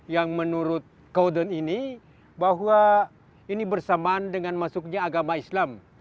yang menurut kaudon ini bahwa ini bersamaan dengan masuknya agama islam